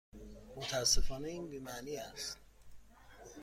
متاسفانه این بی معنی است.